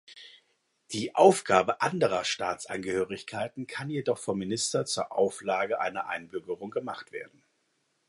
Die Aufgabe andrer Staatsangehörigkeiten kann jedoch vom Minister zur Auflage einer Einbürgerung gemacht werden.